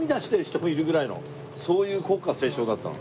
そういう国歌斉唱だったの。